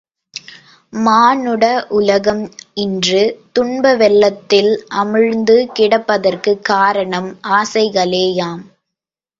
மானுட உலகம் இன்று துன்ப வெள்ளத்தில் அமிழ்ந்து கிடப்பதற்குக் காரணம் ஆசைகளே யாம்.